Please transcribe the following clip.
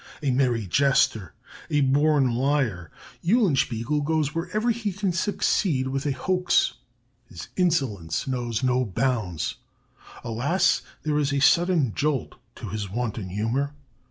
A merry jester, a born liar, Eulenspiegel goes wherever he can succeed with a hoax. His insolence knows no bounds. Alas! there is a sudden jolt to his wanton humor.